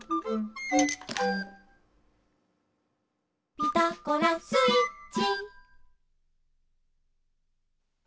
「ピタゴラスイッチ」